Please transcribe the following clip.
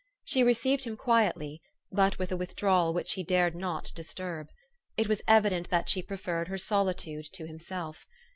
She received him quietly, but with a withdrawal which he dared not disturb. It was evident that she preferred her solitude to himself.